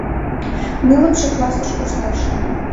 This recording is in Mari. Нылымше классыш коштеш.